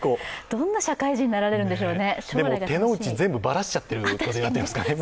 どんな社会人になられるんでしょうね。